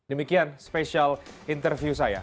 demikian spesial interview saya